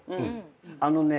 あのね。